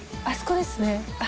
あそこですね。